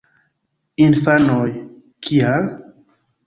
Infanoj: "Kial???"